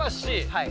はい。